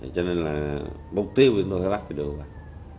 cho nên là mục tiêu thì tôi phải bắt được